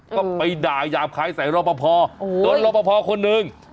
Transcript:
ก็ไปด่ายาบคล้ายใส่รอบพอพอโอ้ยโดนรอบพอพอคนหนึ่ง